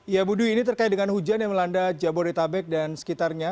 ya budi ini terkait dengan hujan yang melanda jabodetabek dan sekitarnya